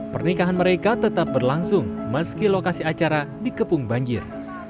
pernikahan mereka tetap berlangsung meski lokasi acara dikepung banjir